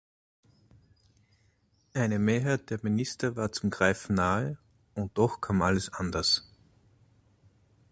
Eine Mehrheit der Minister war zum Greifen nahe, und doch kam alles anders.